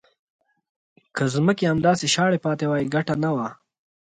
که ځمکې همداسې شاړې پاتې وای ګټه نه وه.